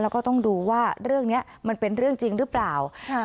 แล้วก็ต้องดูว่าเรื่องนี้มันเป็นเรื่องจริงหรือเปล่า